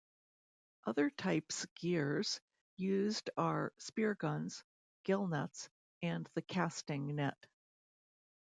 Other types gears used are spear guns, gillnets and the casting net.